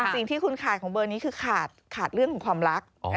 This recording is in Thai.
สิ่งที่คุณขาดของเบอร์นี้คือขาดเรื่องของความรัก